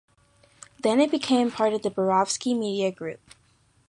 Then it became part of the "Berezovsky Media Group".